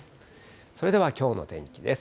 それでは、きょうの天気です。